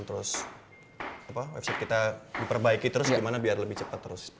terus website kita diperbaiki terus gimana biar lebih cepat terus